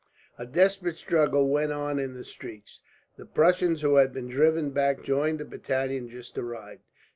A desperate struggle went on in the streets. The Prussians who had been driven back joined the battalion just arrived.